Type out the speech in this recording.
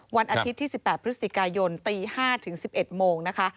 วันอาทิตย์ที่๑๘พฤศจิกายนตี๕ถึง๑๑โมงนะคะ